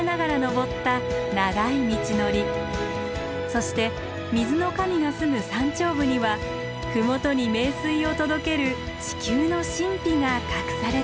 そして水の神がすむ山頂部には麓に名水を届ける地球の神秘が隠されていました。